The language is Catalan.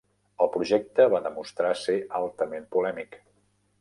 El projecte va demostrar ser altament polèmic.